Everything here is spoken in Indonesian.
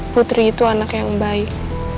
putri itu anak yang baik